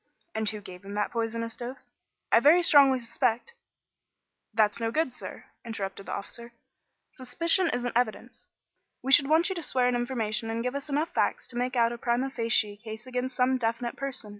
"And who gave him that poisonous dose?" "I very strongly suspect " "That's no good, sir," interrupted the officer. "Suspicion isn't evidence. We should want you to swear an information and give us enough facts to make out a primâ facie case against some definite person.